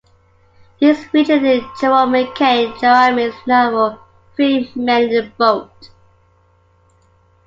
These feature in Jerome K. Jerome's novel "Three Men In A Boat".